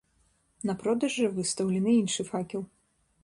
На продаж жа выстаўлены іншы факел.